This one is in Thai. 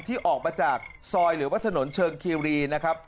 ที่ออกมาจากซอยหรือว่าถนนเชิงคีรีนะครับ